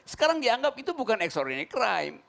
sekarang dianggap itu bukan extraordinary crime